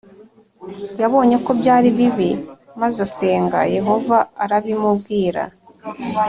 Yabonye ko byari bibi maze asenga yehova arabimubwira